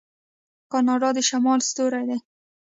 کاناډا د شمال ستوری دی.